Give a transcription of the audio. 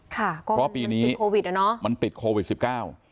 ค่ะเพราะว่าปีนี้มันติดโควิดอะเนอะมันติดโควิดสิบเก้า